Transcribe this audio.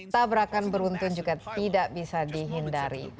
tabrakan beruntun juga tidak bisa dihindari